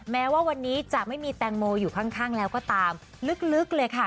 แม้ว่าวันนี้จะไม่มีแตงโมอยู่ข้างแล้วก็ตามลึกเลยค่ะ